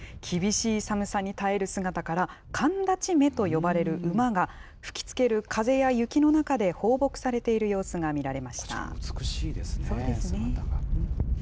厳しい寒さに耐える姿から、寒立馬と呼ばれる馬が、吹きつける風や雪の中で放牧されている様子が美しいですね。